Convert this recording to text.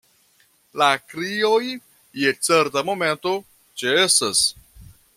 La krioj, je certa momento, ĉesas.